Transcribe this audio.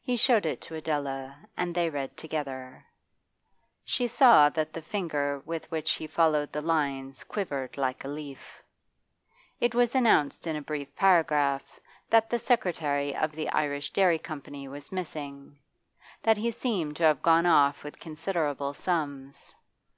He showed it to Adela, and they read together. She saw that the finger with which he followed the lines quivered like a leaf. It was announced in a brief paragraph that the Secretary of the Irish Dairy Company was missing: that he seemed to have gone off with considerable sums.